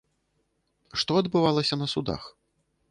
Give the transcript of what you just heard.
Што адбывалася на судах?